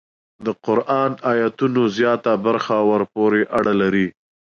د قران ایتونو زیاته برخه ورپورې اړه لري.